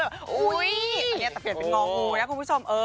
หุ้ยแต่เปลี่ยนเป็นงองงูนะคุณผู้ชม